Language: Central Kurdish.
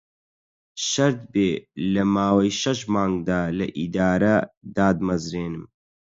شەرت بێ لە ماوەی شەش مانگدا لە ئیدارە داتمەزرێنم